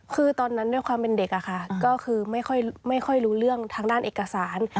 คือตอนนั้นด้วยความเป็นเด็กอะค่ะก็คือไม่ค่อยรู้เรื่องทางด้านเอกสาร